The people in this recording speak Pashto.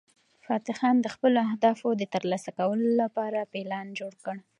فتح خان د خپلو اهدافو د ترلاسه کولو لپاره پلان جوړ کړ.